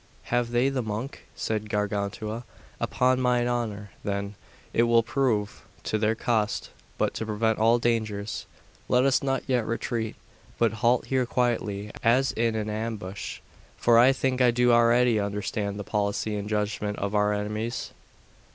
Have they the monk? said Gargantua. Upon mine honour, then, it will prove to their cost. But to prevent all dangers, let us not yet retreat, but halt here quietly as in an ambush; for I think I do already understand the policy and judgment of our enemies.